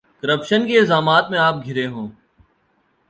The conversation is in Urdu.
کرپشن کے الزامات میں آپ گھرے ہوں۔